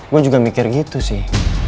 gue juga mikir gitu sih